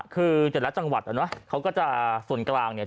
คือเจ็ดละจังหวัดเขาก็จะส่วนกลางเนี่ย